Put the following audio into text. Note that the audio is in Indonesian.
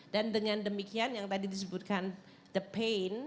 dan dengan demikian yang tadi disebutkan the pain